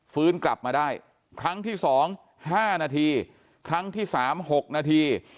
ฟื้นกลับมาได้ครั้งที่สองห้านาทีครั้งที่สามหกนาที